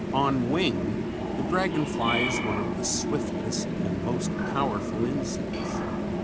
On wing the dragon fly is one of the swiftest and most powerful insects.